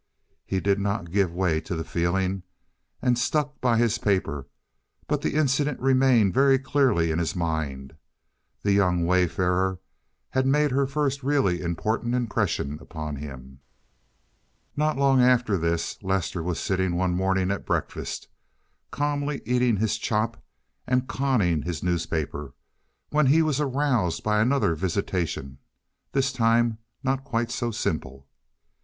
He did not give way to the feeling, and stuck by his paper, but the incident remained very clearly in his mind. The young wayfarer had made her first really important impression upon him. Not long after this Lester was sitting one morning at breakfast, calmly eating his chop and conning his newspaper, when he was aroused by another visitation—this time not quite so simple.